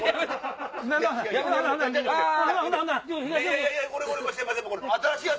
いやいや。